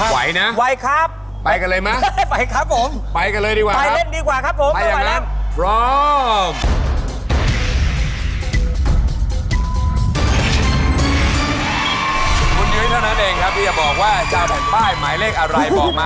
ไหวนะไหวครับไปกันเลยมั้ยฮ่าฮ่าฮ่าไปครับผม